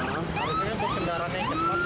harusnya untuk kendaraan yang cepat ya